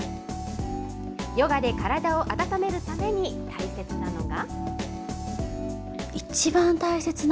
ヨガで体を温めるために大切なのが。